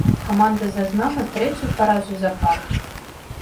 Каманда зазнала трэцюю паразу запар.